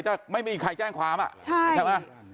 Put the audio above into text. จะไม่มีใครแจ้งความใช่ไหม